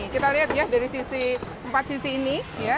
kita lihat ya dari sisi empat sisi ini